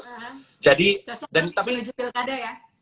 cocok lebih lucu lebih ada ya